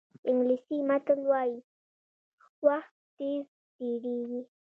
انګلیسي متل وایي وخت تېز تېرېږي.